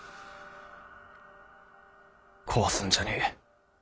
壊すんじゃねえ。